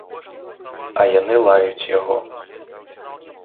А яны лаюць яго.